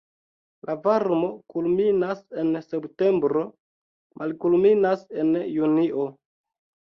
La varmo kulminas en septembro, malkulminas en junio.